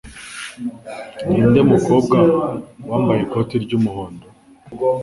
Ninde mukobwa wambaye ikoti ry'umuhondo?